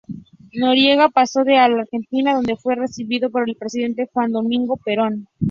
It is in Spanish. Noriega pasó a la Argentina, donde fue recibido por el presidente Juan Domingo Perón.